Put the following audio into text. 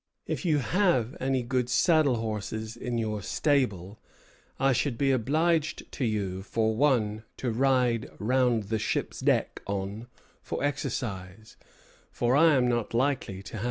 If you have any good saddle horses in your stable, I should be obliged to you for one to ride round the ship's deck on for exercise, for I am not likely to have any other."